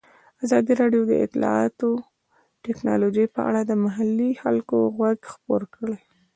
ازادي راډیو د اطلاعاتی تکنالوژي په اړه د محلي خلکو غږ خپور کړی.